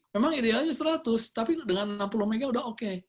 memang idealnya seratus tapi dengan enam puluh mw sudah oke